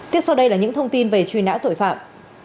tiếp sau đây là những thông tin về truy nã tội phạm